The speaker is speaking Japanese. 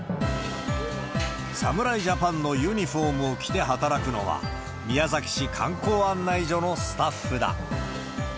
侍ジャパンのユニホームを着て働くのは、宮崎市観光案内所のスタッフだ。